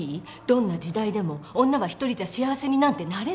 どんな時代でも女は一人じゃ幸せになんてなれないの。